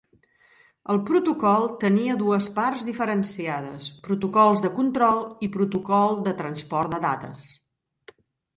El protocol tenia dues parts diferenciades: protocols de control i protocol de transport de dades.